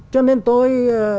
cho nên tôi